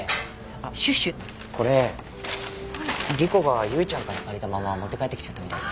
あっこれ莉子が結衣ちゃんから借りたまま持って帰ってきちゃったみたいで。